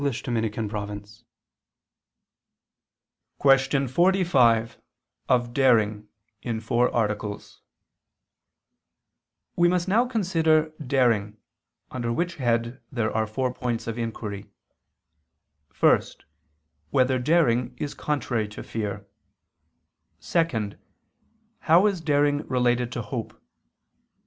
________________________ QUESTION 45 OF DARING (In Four Articles) We must now consider daring: under which head there are four points of inquiry: (1) Whether daring is contrary to fear? (2) How is daring related to hope?